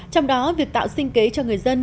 trong đó việc tạo sinh kế cho người dân